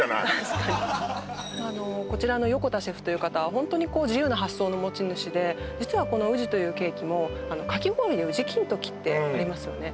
確かにまああのこちらの横田シェフという方はホントにこう自由な発想の持ち主で実はこの宇治というケーキもかき氷で宇治金時ってありますよね